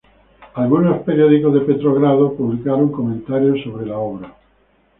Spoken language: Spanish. Algunos periódicos de Petrogrado publicaron comentarios sobre la obra.